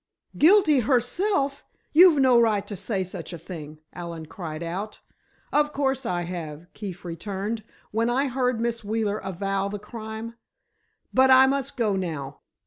"'Guilty herself!' You've no right to say such a thing!" Allen cried out. "Of course I have," Keefe returned, "when I heard Miss Wheeler avow the crime! But I must go now.